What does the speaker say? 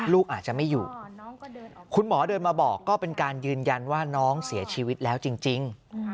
ลูกอาจจะไม่อยู่คุณหมอเดินมาบอกก็เป็นการยืนยันว่าน้องเสียชีวิตแล้วจริง